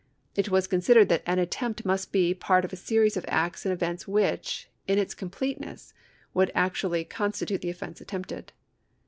It was considered that an attempt must be part of a seiics of acts and events which, in its completeness, would actually constitule the offence attempted.